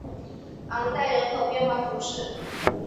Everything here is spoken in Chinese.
昂代人口变化图示